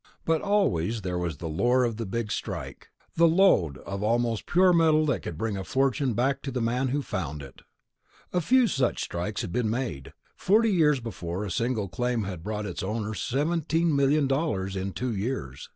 But always there was the lure of the Big Strike, the lode of almost pure metal that could bring a fortune back to the man who found it. A few such strikes had been made. Forty years before a single claim had brought its owner seventeen million dollars in two years.